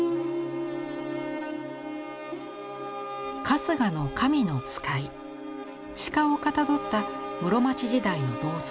春日の神の使い鹿をかたどった室町時代の銅像。